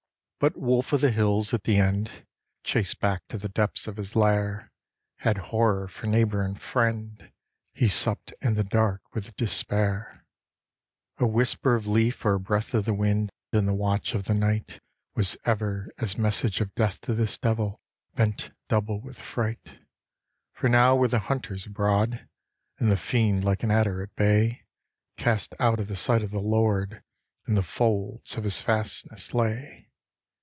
But wolf of the hills at the end chased back to the depths of his lair Had horror for neighbour and friend he supped in the dark with despair. A whisper of leaf or a breath of the wind in the watch of the night Was ever as message of death to this devil bent double with fright. For now were the hunters abroad; and the fiend like an adder at bay, Cast out of the sight of the Lord, in the folds of his fastnesses lay.